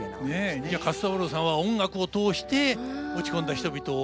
ねえじゃあ勝三郎さんは音楽を通して落ち込んだ人々を。